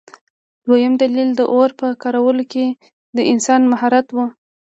دویم دلیل د اور په کارولو کې د انسان مهارت و.